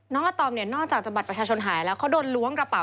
น้องอัตอมนอกจากบัตรประชาชนหายแล้วเขาโดนล้วงกระเป๋า